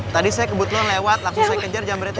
tadi saya kebutuhan lewat langsung saya kejar jam berita